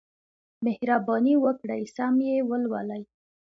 مهرباني وکړئ سم یې ولولئ.